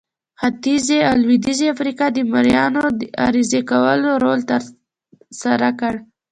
ختیځې او لوېدیځې افریقا د مریانو د عرضه کولو رول ترسره کړ.